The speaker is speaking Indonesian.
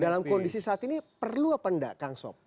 dalam kondisi saat ini perlu apa enggak kang sob